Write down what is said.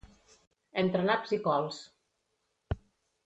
Entre naps i cols.